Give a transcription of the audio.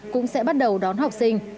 cũng sẽ bắt đầu đón học sinh